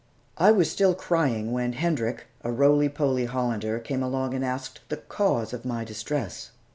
I was still crying when Hendrik, a roly poly Hollander, came along and asked the cause of my distress.